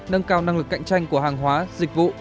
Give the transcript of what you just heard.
nâng cao năng lực cạnh tranh của hàng hóa dịch vụ